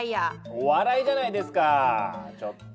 お笑いじゃないですかちょっと。